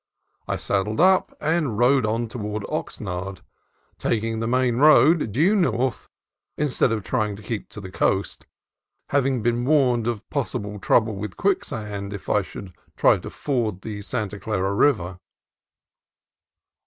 I saddled up and rode on toward Oxnard, taking the main road due north instead of trying to keep the coast, having been warned of possible trouble with quicksand if I should try to ford the Santa Clara River.